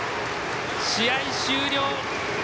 試合終了！